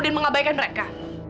dan mengabaikan mereka